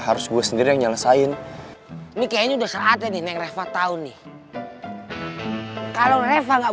harus gue sendiri nyelesain ini kayaknya udah saatnya nih reva tahun nih kalau reva nggak